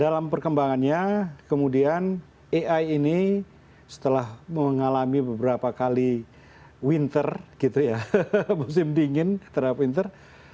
dalam perkembangannya kemudian ai ini setelah mengalami beberapa kali winter gitu ya musim dingin terhadap winter